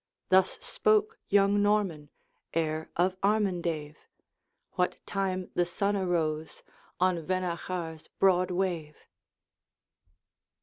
Thus spoke young Norman, heir of Armandave, What time the sun arose on Vennachar's broad wave.